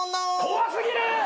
怖過ぎる！